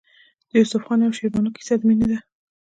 د یوسف خان او شیربانو کیسه د مینې ده.